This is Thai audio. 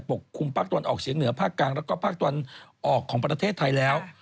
กคลุมภาคตะวันออกเฉียงเหนือภาคกลางแล้วก็ภาคตะวันออกของประเทศไทยแล้ว